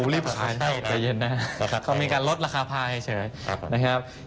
รีบขายใจเย็นหน้าเขามีการลดราคาภาคให้เฉย